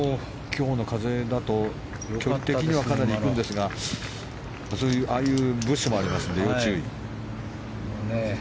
今日の風だと距離的にはかなり行くんですがああいうブッシュもありますので要注意。